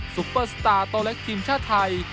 ซุปเปอร์สตาร์โตเล็กทีมชาติไทย